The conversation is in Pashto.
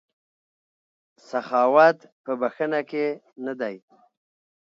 سخاوت په بښنه کې نه دی.